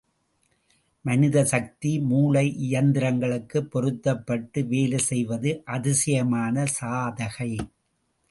மனித சக்தி, மூளை இயந்திரங்களுக்குப் பொருத்தப்பட்டு வேலை செய்வது அதிசயமான சாதகை.